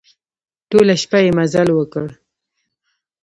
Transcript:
ټوله شپه يې مزل وکړ.